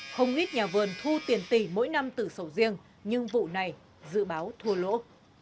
không ít nhà vườn thu tiền tỷ mỗi năm từ sầu riêng nhưng vụ này dự báo thua lỗ